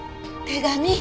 手紙！